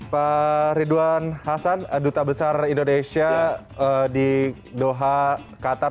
pak ridwan hasan duta besar indonesia di doha qatar